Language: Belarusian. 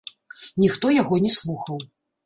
Ніхто яго не слухаў.